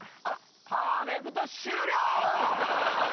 パーフェクト終了！